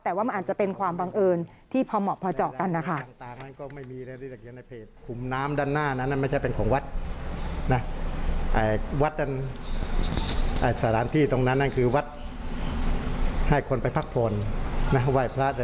แต่ว่ามันอาจจะเป็นความบังเอิญที่พอเหมาะพอเจาะกันนะคะ